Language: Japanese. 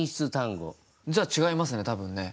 じゃあ違いますね多分ね。